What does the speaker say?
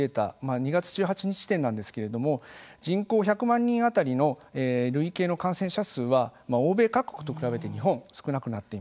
２月１８日時点なんですけれども人口１００万人当たりの累計の感染者数は欧米各国と比べて日本、少なくなっています。